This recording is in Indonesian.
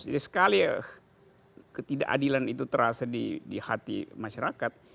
jadi sekali ketidakadilan itu terasa di hati masyarakat